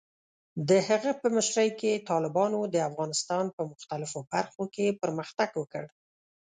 د هغه په مشرۍ کې، طالبانو د افغانستان په مختلفو برخو کې پرمختګ وکړ.